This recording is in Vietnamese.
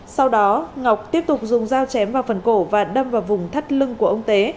sau đó ngọc tiếp tục dùng dao chém vào phần cổ và đâm vào vùng thắt lưng của ông tế